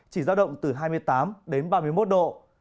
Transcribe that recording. chỉ giao động từ hai mươi tám đến ba mươi một độ